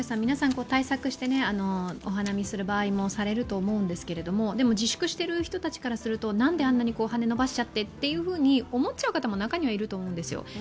皆さん、対策してお花見する場合もされると思うんですけれども自粛している人たちからすると、なんであんなに羽根伸ばしちゃってと思っちゃう方も中にはいると思うんですよ。